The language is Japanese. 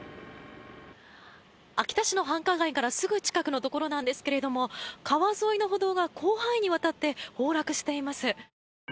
秋田市の繁華街からすぐ近くのところなんですが川沿いの歩道が広範囲にわたって崩落しています。